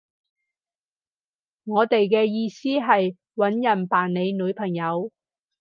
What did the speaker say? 我哋嘅意思係搵人扮你女朋友